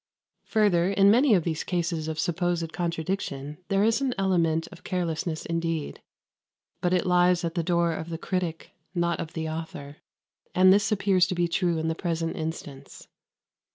Further, in many of these cases of supposed contradiction there is an element of carelessness indeed; but it lies at the door of the critic, not of the author; and this appears to be true in the present instance.